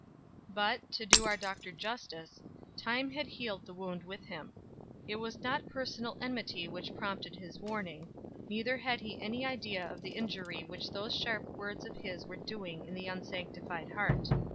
But, to do our doctor justice, time had healed the wound with him; it was not personal enmity which prompted his warning, neither had he any idea of the injury which those sharp words of his were doing in the unsanctified heart.